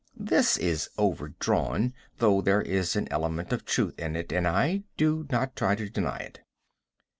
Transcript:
This is overdrawn, though there is an element of truth in it, and I do not try to deny it.